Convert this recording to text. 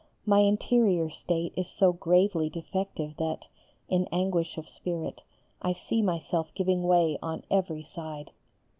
My interior state is so gravely defective that, in anguish of spirit, I see myself giving way on every side.